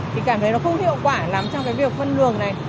thì cảm thấy nó không hiệu quả lắm trong cái việc phân luồng này